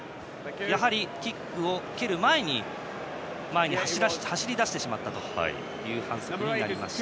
キックを蹴る前に走り出してしまったという反則になりました。